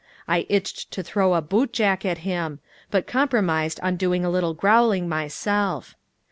I itched to throw a bootjack at him, but compromised on doing a little growling myself.